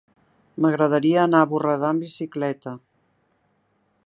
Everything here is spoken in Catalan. M'agradaria anar a Borredà amb bicicleta.